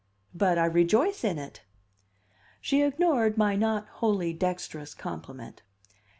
"But I rejoice in it!" She ignored my not wholly dexterous compliment.